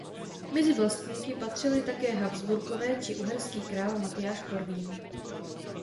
Mezi vlastníky patřili také Habsburkové či uherský král Matyáš Korvín.